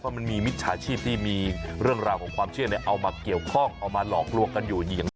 มันมีมิจฉาชีพที่มีเรื่องราวของความเชื่อเอามาเกี่ยวข้องเอามาหลอกลวงกันอยู่อย่างนี้